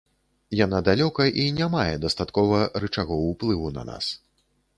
Яна далёка і не мае дастаткова рычагоў уплыву на нас.